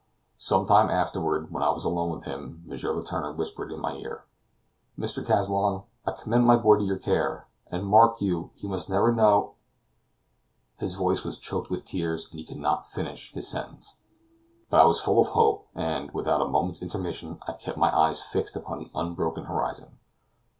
Some time afterward, when I was alone with him, M. Letourneur whispered in my ear: "Mr. Kazallon, I commend my boy to your care, and mark you, he must never know " His voice was choked with tears, and he could not finish his sentence. But I was full of hope, and, without a moment's intermission, I kept my eyes fixed upon the unbroken horizon.